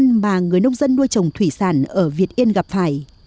những khó khăn mà người nông dân nuôi trồng thủy sản ở việt yên gặp phải